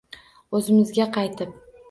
O'zimizga qaytib